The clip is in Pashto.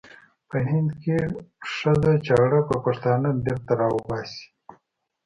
په هند کې ښخه چاړه به پښتانه بېرته را وباسي.